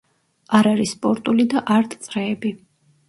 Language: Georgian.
არ არის სპორტული და არტ წრეები.